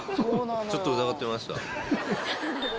ちょっと疑ってました。